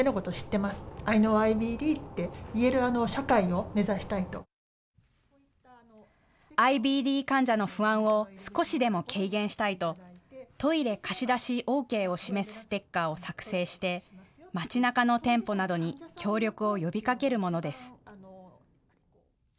ＩＢＤの患者の不安を少しでも軽減したいとトイレ貸し出しＯＫを示すステッカーを作成して街なかの店舗などに協力を呼びかけるものです。